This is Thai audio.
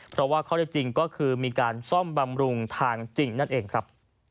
เพราะว่าข้อได้จริงก็คือมีการซ่อมบำรุงทางจริงนั่นเองครับ